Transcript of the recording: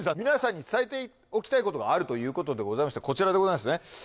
皆さんに伝えておきたいことがあるということでございましてこちらでございますね